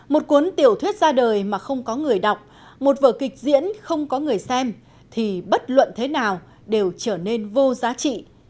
một cuốn tiểu thuyết ra đời mà không có người đọc một vở kịch diễn không có người xem thì bất luận thế nào đều trở nên vô giá trị